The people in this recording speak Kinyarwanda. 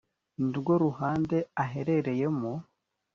ni rwo ruhande aherereyemo